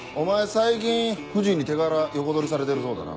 最近藤に手柄横取りされてるそうだな。